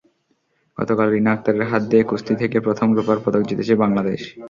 গতকাল রিনা আক্তারের হাত দিয়ে কুস্তি থেকে প্রথম রুপার পদক জিতেছে বাংলাদেশ।